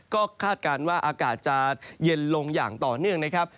ก็คาดการณ์ว่าอากาศจะเย็นลงอย่างต่อเนื่องนะครับ